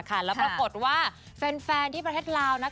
แล้วปรากฏว่าแฟนที่ประเทศลาว